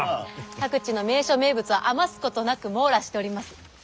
各地の名所名物を余すことなく網羅しております。